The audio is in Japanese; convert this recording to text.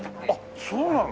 そうなの？